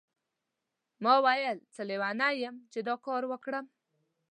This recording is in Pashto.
ما ویل څه لیونی یم چې دا کار کوم.